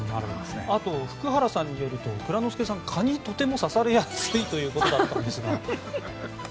あと、福原さんによると蔵之介さんは蚊にとても刺されやすいということだったんですが。